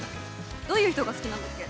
どういう人が好きなんだっけ？